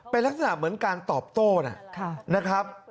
เป็นลักษณะเหมือนการตอบโต้นะครับ